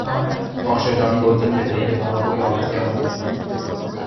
Վաղ շրջանի գործերում հետևել է բարոկկոյի արվեստի ավանդույթներին։